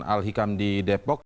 al hikam di depok